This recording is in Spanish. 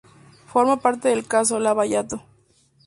Forma parte del Caso Lava Jato.